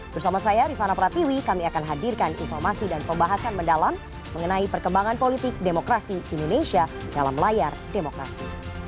bersama saya rifana pratiwi kami akan hadirkan informasi dan pembahasan mendalam mengenai perkembangan politik demokrasi indonesia dalam layar demokrasi